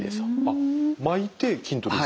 あっ巻いて筋トレですか？